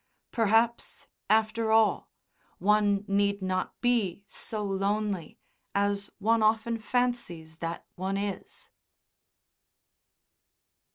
Perhaps, after all, one need not be so lonely as one often fancies that one is.